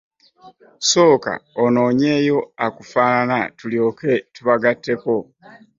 Sooka onoonyeyo akufaanana tulyoke tubagatteko.